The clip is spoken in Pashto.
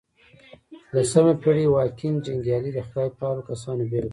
لسمه پېړۍ واکینګ جنګيالي د خدای پالو کسانو بېلګه وه.